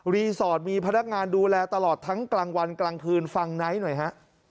รีสอร์ทมีพนักงานดูแลตลอดทั้งกลางวันกลางคืนฟังไนท์หน่อยฮะ